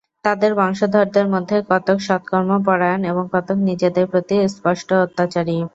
তাদের বংশধরদের মধ্যে কতক সৎকর্মপরায়ণ এবং কতক নিজেদের প্রতি স্পষ্ট অত্যাচারী।